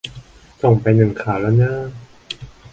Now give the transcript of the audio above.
ส่งไปหนึ่งข่าวแล้วเน้อ